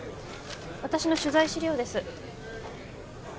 私の取材資料です